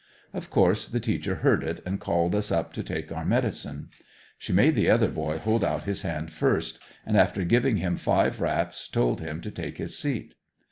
Of course the teacher heard it and called us up to take our medicine. She made the other boy hold out his hand first and after giving him five raps told him to take his seat.